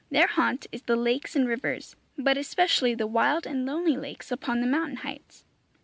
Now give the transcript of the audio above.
Their haunt is the lakes and rivers, but especially the wild and lonely lakes upon the mountain heights.